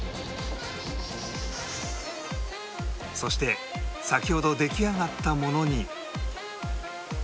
そして先ほど出来上がったものに